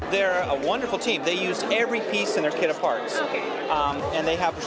mereka adalah tim yang bagus mereka menggunakan setiap bagian dari kit mereka